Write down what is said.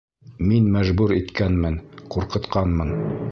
Мин мәжбүр иткәнмен, ҡурҡытҡанмын!